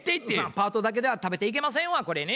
パートだけでは食べていけませんわこれね。